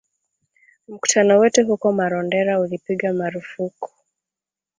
Mkutano wetu huko Marondera ulipigwa marufuku